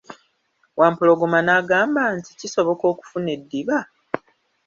Wampologoma n'agamba nti, kisoboka okufuna eddiba?